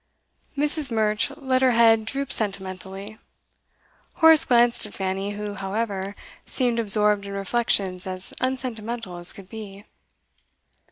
_' Mrs. Murch let her head droop sentimentally. Horace glanced at Fanny, who, however, seemed absorbed in reflections as unsentimental as could be.